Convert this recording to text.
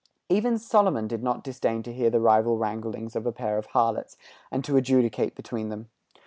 Even Solomon did not disdain to hear the rival wranglings of a pair of harlots, and to adjudicate between them.